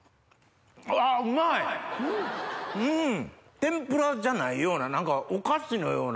天ぷらじゃないような何かお菓子のような。